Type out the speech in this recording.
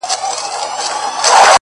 ساقي وتاته مو په ټول وجود سلام دی پيره ـ